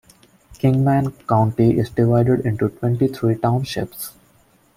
Kingman County is divided into twenty-three townships.